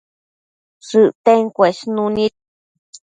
shëcten cuesnunid